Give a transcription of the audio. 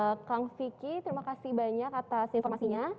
baik kang vicky terima kasih banyak atas informasinya